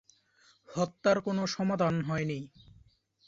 হত্যার কোন সমাধান হয়নি।